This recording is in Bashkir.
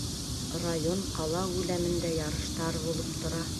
Район, ҡала күләмендә ярыштар булып тора.